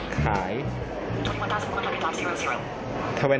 ขายขาย